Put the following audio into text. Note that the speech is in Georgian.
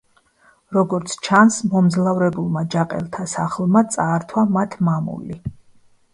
როგორც ჩანს, მომძლავრებულმა ჯაყელთა სახლმა წაართვა მათ მამული.